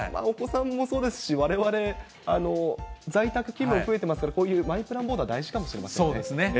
お子さんもそうですし、われわれ、在宅勤務も増えてますから、こういうマイプランボードは大事かもしれませんね。